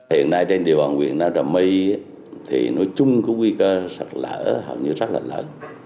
hiện nay trên điều hành huyện nam trà my thì nói chung có nguy cơ sạt lở hầu như rất là lở